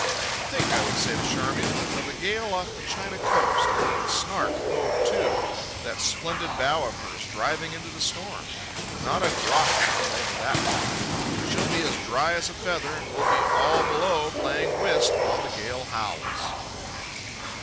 "Think," I would say to Charmian, "of a gale off the China coast, and of the Snark hove to, that splendid bow of hers driving into the storm. Not a drop will come over that bow. She'll be as dry as a feather, and we'll be all below playing whist while the gale howls."